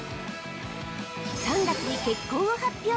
◆３月に結婚を発表！